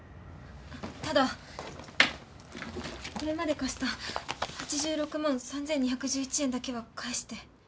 ただこれまで貸した８６万３２１１円だけは返して。